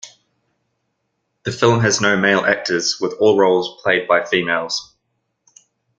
The film has no male actors, with all roles played by females.